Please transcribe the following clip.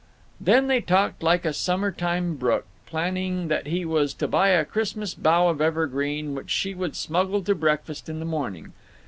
Then they talked like a summer time brook, planning that he was to buy a Christmas bough of evergreen, which she would smuggle to breakfast in the morning.